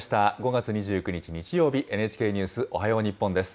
５月２９日日曜日、ＮＨＫニュースおはよう日本です。